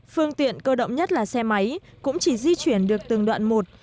phương tiện cơ động nhất là xe máy cũng chỉ di chuyển được từng đoạn một